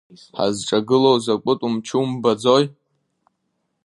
Ҳазҿагылоу закәытә мчу умбаӡои?!